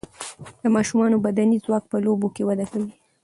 د ماشومان بدني ځواک په لوبو کې وده کوي.